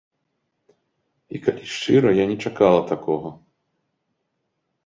І калі шчыра, я не чакала такога.